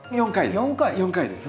４回？４回です。